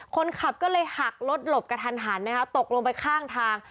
คนขับก็เลยหักรถหลบกระทันหันนะคะตกลงไปข้างทาง